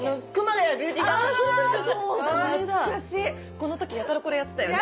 この時やたらこれやってたよね。